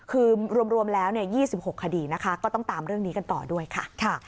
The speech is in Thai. คือรวมแล้ว๒๖คดีนะคะก็ต้องตามเรื่องนี้กันต่อด้วยค่ะ